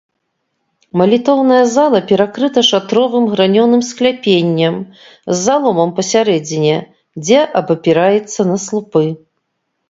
Малітоўная зала перакрыта шатровым гранёным скляпеннем з заломам пасярэдзіне, дзе абапіраецца на слупы.